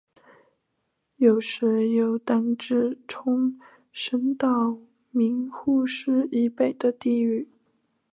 有时又单指冲绳岛名护市以北的地域。